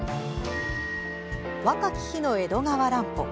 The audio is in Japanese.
若き日の江戸川乱歩。